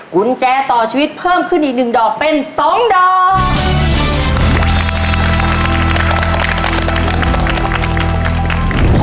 กุญแจต่อชีวิตเพิ่มขึ้นอีก๑ดอกเป็น๒ดอก